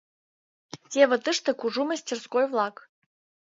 Теве тыште кужу мастерской-влак.